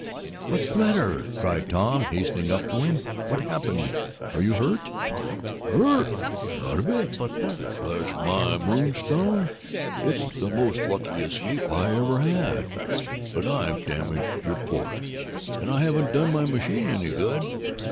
"What's the matter?" cried Tom, hastening up to him. "What happened? Are you hurt?" "Hurt? Not a bit of it! Bless my moonstone! It's the most lucky escape I ever had! But I've damaged your porch, and I haven't done my machine any good.